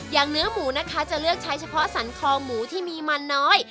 เนื้อหมูนะคะจะเลือกใช้เฉพาะสันคอหมูที่มีมันน้อย